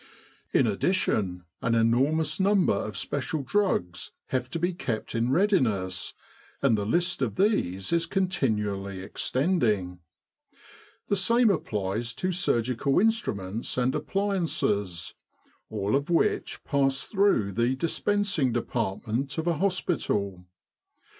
In addition, an enormous number of special drugs have to be kept in readiness, and the list of these is continually extending. The same applies to surgical instruments and appliances, all of which pass through the Dispensing Department of a hospital.